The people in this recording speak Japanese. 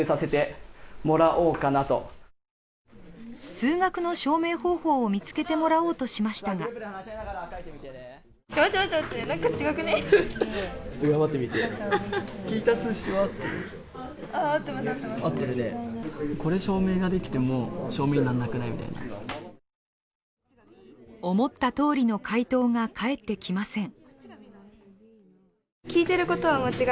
数学の証明方法を見つけてもらおうとしましたが思ったとおりの回答が返ってきません。